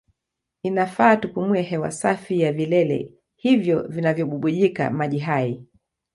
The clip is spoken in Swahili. Inafaa tupumue hewa safi ya vilele hivyo vinavyobubujika maji hai.